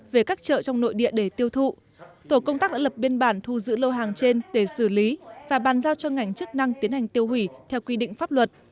về các chợ trong nội địa để tiêu thụ tổ công tác đã lập biên bản thu giữ lô hàng trên để xử lý và bàn giao cho ngành chức năng tiến hành tiêu hủy theo quy định pháp luật